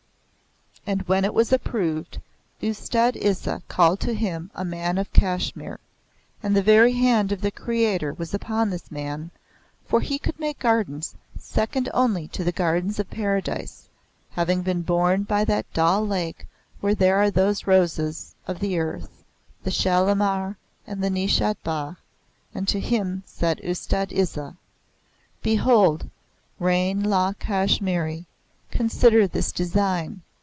And when it was approved, Ustad Isa called to him a man of Kashmir; and the very hand of the Creator was upon this man, for he could make gardens second only to the Gardens of Paradise, having been born by that Dal Lake where are those roses of the earth, the Shalimar and the Nishat Bagh; and to him said Ustad Isa, "Behold, Rain Lal Kashmiri, consider this design!